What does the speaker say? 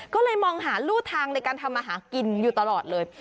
ก็เลยมองหารู่ทางในการทำอาหารกินอยู่ตลอดเลย